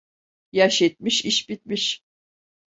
Yaş yetmiş, iş bitmiş.